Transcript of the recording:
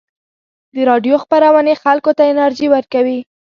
د راډیو خپرونې خلکو ته انرژي ورکوي.